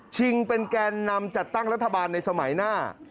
เป็นแกนนำจัดตั้งรัฐบาลในสมัยหน้า